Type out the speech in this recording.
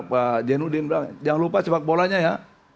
pak jainuddin bilang jangan lupa sepak bolanya ya